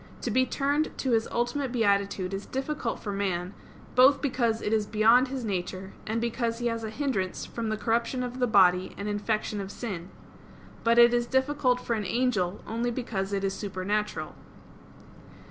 To be turned to his ultimate beatitude is difficult for man, both because it is beyond his nature, and because he has a hindrance from the corruption of the body and infection of sin. But it is difficult for an angel, only because it is supernatural.